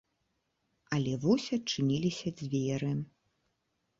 Але вось адчыніліся дзверы.